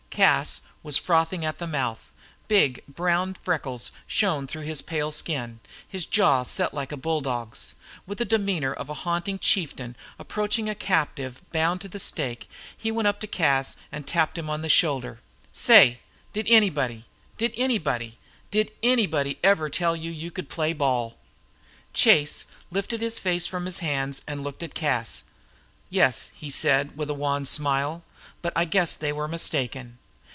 Cas was frothing at the mouth; big brown freckles shone through his pale skin; his jaw set like a bulldog's. With the demeanor of a haughty chieftain approaching a captive bound to the stake, he went up to Chase and tapped him on the shoulder. "Say! did anybody, did anybody, did anybody ever tell you you could play ball?" Chase lifted his face from his hands and looked at Cas. "Yes," he said, with a wan smile, "but I guess they were mistaken."